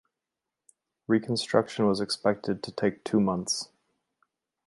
Reconstruction was expected to take two months.